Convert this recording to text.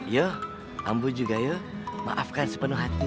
ya ampun juga ya maafkan sepenuh hati